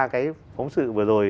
cái phóng sự vừa rồi